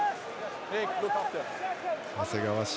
長谷川慎